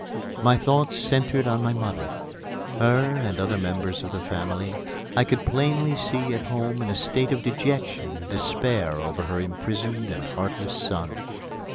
My thoughts centred on my mother. Her (and other members of the family) I could plainly see at home in a state of dejection and despair over her imprisoned and heartless son.